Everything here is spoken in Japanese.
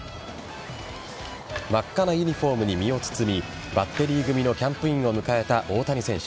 真っ赤なユニホームに身を包みバッテリー組のキャンプインを迎えた大谷選手。